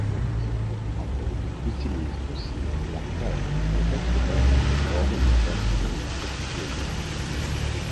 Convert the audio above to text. Apple utilise aussi la carte directement dans ses bornes AirPort Extreme.